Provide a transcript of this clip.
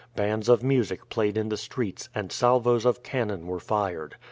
Bands of music played in the streets, and salvos of cannon were fired.